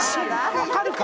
分かるか！